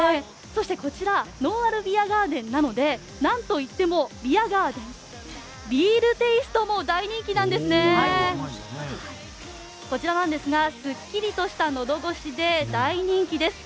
そして、こちらのんあるビアガーデンなのでなんといってもビアガーデンビールテイストも大人気なんですこちらなんですがすっきりとしたのど越しで大人気です。